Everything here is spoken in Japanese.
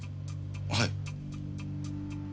はい。